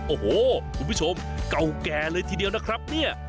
โอ้โหคุณผู้ชมเก่าแก่เลยทีเดียวนะครับเนี่ย